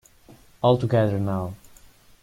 All together now.